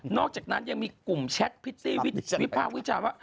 อกจากนั้นยังมีกลุ่มแชทพิตตี้วิภาควิจารณ์ว่า